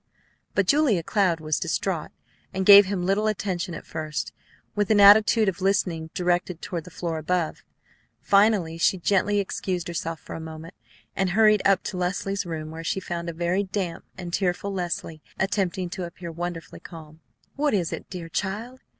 But Julia Cloud was distraught, and gave him little attention at first, with an attitude of listening directed toward the floor above. Finally she gently excused herself for a moment, and hurried up to Leslie's room, where she found a very damp and tearful Leslie attempting to appear wonderfully calm. "What is it, dear child?